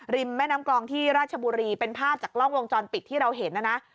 แม่น้ำกลองที่ราชบุรีเป็นภาพจากกล้องวงจรปิดที่เราเห็นนะนะ